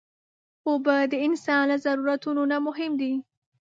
اوبه د انسان له ضرورتونو نه مهم دي.